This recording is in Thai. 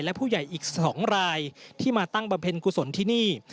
และผู้ใหญ่อีก๒รายที่มาตั้งบำเพ็ญกุศลที่นี่